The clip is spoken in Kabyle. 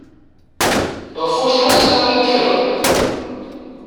Ɣef wacḥal ssaɛa i d-kkren?